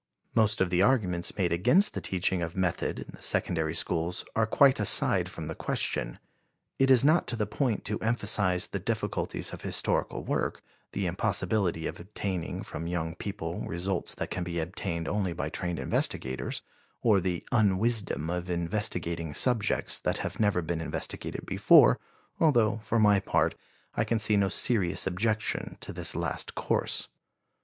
Most of the arguments made against the teaching of method in the secondary schools are quite aside from the question. It is not to the point to emphasize the difficulties of historical work, the impossibility of obtaining from young people results that can be obtained only by trained investigators, or the unwisdom of investigating subjects that have never been investigated before, although, for my part, I can see no serious objection to this last course.